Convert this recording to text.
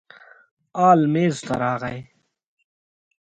ال میز ته راغی.